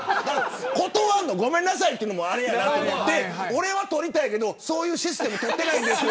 ごめんなさいと言うのもあれだなと思って俺は撮りたいけどそういうシステムとってないんですよ